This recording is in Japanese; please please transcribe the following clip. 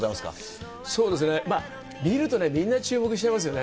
そうですね、見るとね、みんな注目しちゃいますよね。